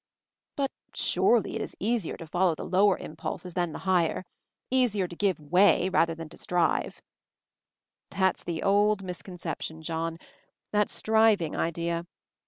"But surely it is easier to follow the lower impulses than the higher; easier to give way than to strive." "There's the old misconception, John, that Striving idea.'